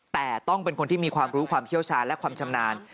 แต่ต้องเป็นคนที่มีความรู้ความเชี่ยวชาญและความชำนาญ